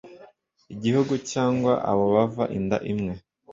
igihugu cyangwa abo bava inda imwe.